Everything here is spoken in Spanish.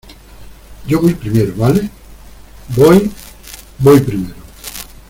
yo voy primero, ¿ vale? voy... voy primero .